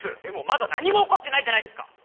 でもまだ何も起こってないじゃないですか！